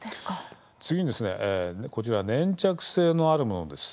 次にこちら粘着性のあるものです。